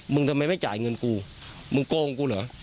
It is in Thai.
ทำไมไม่จ่ายเงินกูมึงโกงกูเหรอ